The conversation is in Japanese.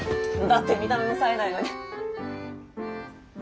だって見た目もさえないのに。